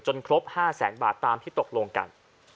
จนครบ๕๐๐๐๐๐บาทตามที่ตกลงกัน